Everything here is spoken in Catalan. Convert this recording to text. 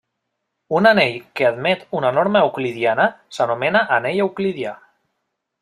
Un anell que admet una norma euclidiana s'anomena anell euclidià.